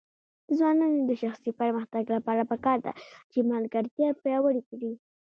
د ځوانانو د شخصي پرمختګ لپاره پکار ده چې ملګرتیا پیاوړې کړي.